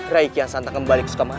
rai kian santang kembali ke sukamana